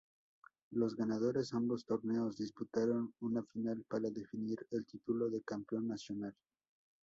Los ganadores ambos torneos disputaron una final para definir el título de Campeón Nacional.